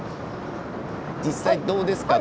実際どうですか？